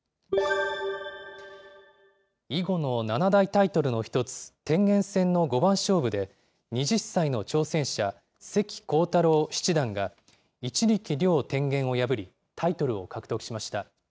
囲碁の七大タイトルの一つ、天元戦の五番勝負で、２０歳の挑戦者、関航太郎七段が一力遼天元を破り、タイトルを獲得しました。